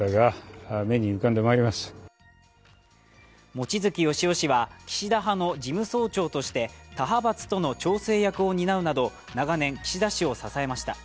望月義夫氏は岸田派の事務総長として他派閥との調整役を担うなど長年、岸田氏を支えました。